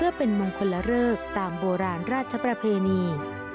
เพื่อเป็นมงคลละเริกตามโบราณราชประเพณี